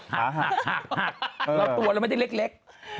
เราตัวมันไม่ได้เล็ก